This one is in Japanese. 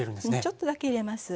ちょっとだけ入れます。